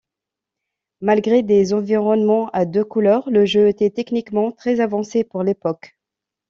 Malgré des environnements à deux couleurs, le jeu était techniquement très avancé pour l'époque.